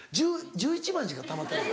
１１万しかたまってない。